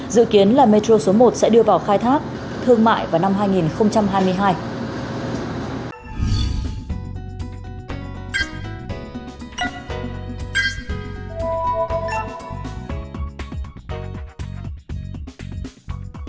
dự kiến là metro số một sẽ đưa vào khai thác thương mại vào năm hai nghìn hai mươi hai